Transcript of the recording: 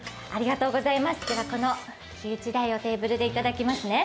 ではこのヒウチダイをテーブルでいただきますね。